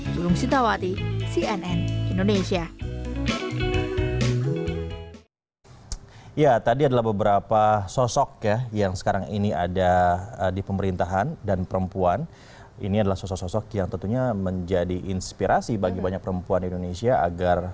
julung sintawati cnn indonesia